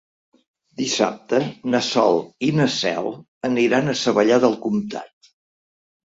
Dissabte na Sol i na Cel aniran a Savallà del Comtat.